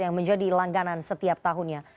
yang menjadi langganan setiap tahunnya